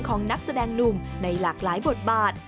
นักแสดงหนุ่มในหลากหลายบทบาท